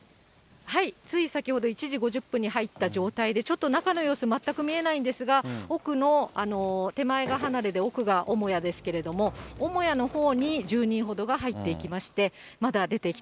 つい先ほど、１時５０分に入った状態で、ちょっと中の様子、全く見えないんですが、奥の手前が離れで、奥が母屋ですけれども、母屋のほうに１０人ほどが入っていきまし